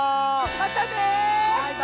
まったね！